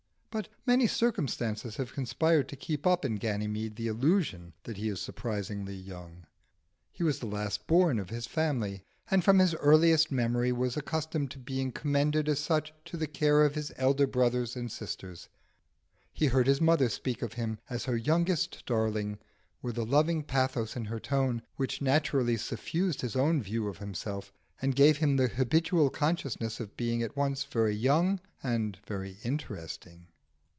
But many circumstances have conspired to keep up in Ganymede the illusion that he is surprisingly young. He was the last born of his family, and from his earliest memory was accustomed to be commended as such to the care of his elder brothers and sisters: he heard his mother speak of him as her youngest darling with a loving pathos in her tone, which naturally suffused his own view of himself, and gave him the habitual consciousness of being at once very young and very interesting.